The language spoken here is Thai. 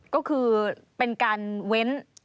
ก็คือเป็นการเว้น